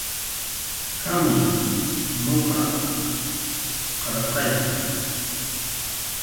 Hamuy nuqa qarasqayki